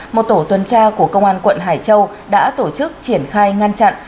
một tổ tuần tra của công an quận hải châu đã tổ chức triển khai ngăn chặn